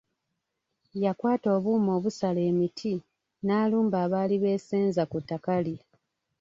Yakwata obuuma obusala emiti n’alumba abaali besenzeza ku ttaka lye.